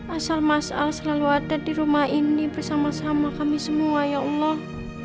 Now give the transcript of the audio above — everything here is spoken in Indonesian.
asal mas al selalu ada di rumah ini bersama sama kami semua ya allah